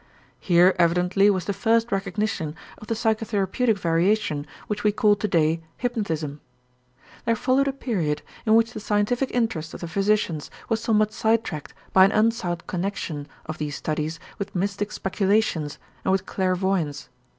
Here evidently was the first recognition of the psychotherapeutic variation which we call today hypnotism. There followed a period in which the scientific interest of the physicians was somewhat sidetracked by an unsound connection of these studies with mystic speculations and with clairvoyance.